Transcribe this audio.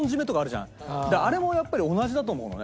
あれもやっぱり同じだと思うのね。